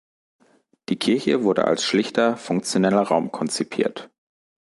Die Kirche wurde als schlichter, funktioneller Raum konzipiert.